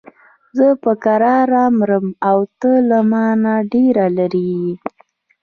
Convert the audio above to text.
زه په کراره مرم او ته له مانه ډېر لرې یې.